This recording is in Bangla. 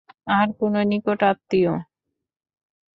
আর কোনো নিকট আত্মীয়?